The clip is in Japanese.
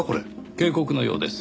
警告のようです。